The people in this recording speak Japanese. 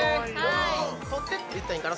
取っ手って言ったらええんかな